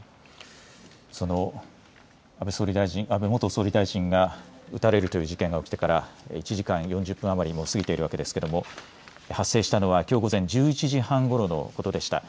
その安倍元総理大臣が撃たれるという事件が起きてから１時間４０分余りが過ぎているわけですけれども発生したのは、きょう午前１１時半ごろのことでした。